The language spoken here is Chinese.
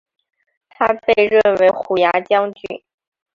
他被任为虎牙将军。